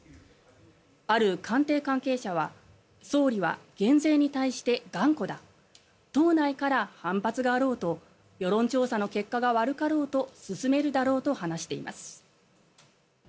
ある官邸関係者は総理は減税に対して頑固だ党内から反発があろうと世論調査の結果が悪かろうと進めるだろうと話しています。